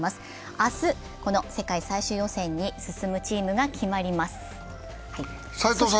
明日、世界最終予選に進むチームが決まります。